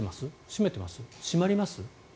閉まります？